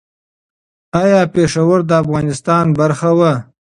ایا پېښور د افغانستان برخه وه؟